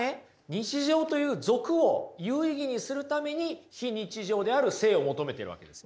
日常という俗を有意義にするために非日常である聖を求めてるわけです。